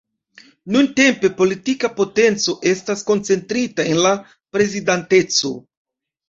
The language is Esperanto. Nuntempe, politika potenco estas koncentrita en la Prezidanteco.